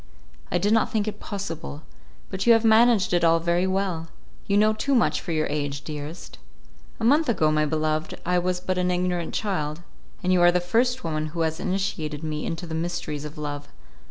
"I did not think it possible. But you have managed it all very well. You know too much for your age, dearest." "A month ago, my beloved, I was but an ignorant child, and you are the first woman who has initiated me into the mysteries of love.